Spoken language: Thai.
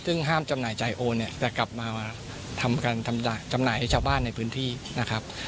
ซึ่งห้ามจำหน่ายจ่ายโอนเนี่ยจะกลับมาทำการจำหน่ายให้ชาวบ้านในพื้นที่นะครับ